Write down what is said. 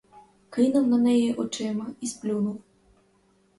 Кинув на неї очима і сплюнув.